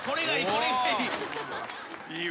これがいい。